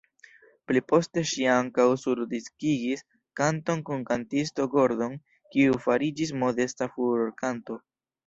Pliposte ŝi ankaŭ surdiskigis kanton kun kantisto Gordon kiu fariĝis modesta furorkanto.